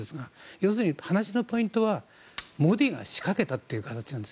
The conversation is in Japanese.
要するに話のポイントはモディが仕掛けたという形なんです。